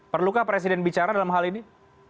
perlukah presiden bicara dalam hal ini